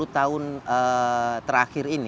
sepuluh tahun terakhir ini